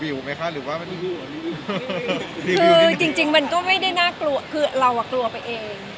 บิวไหมคะหรือว่าคือจริงมันก็ไม่ได้น่ากลัวคือเรากลัวไปเอง